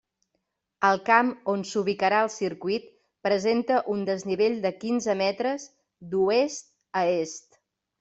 El camp on s'ubicarà el circuit presenta un desnivell de quinze metres d'oest a est.